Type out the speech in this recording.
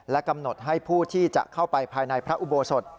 กำหนดให้ผู้ที่จะเข้าไปภายในพระอุโบสถ